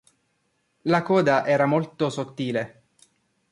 La coda era molto sottile.